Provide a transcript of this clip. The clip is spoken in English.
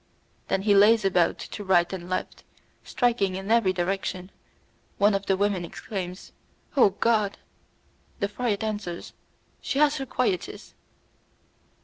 Then he lays about to right and left, striking in every direction; one of the women exclaims, "Oh, God!" the friar answers, "She has her quietus."